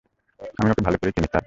আমি ওকে ভালো করেই চিনি, স্যার।